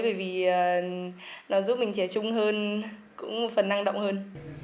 bởi vì nó giúp mình trẻ trung hơn cũng phần năng động hơn